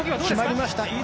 決まりました。